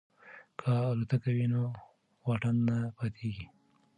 که الوتکه وي نو واټن نه پاتیږي.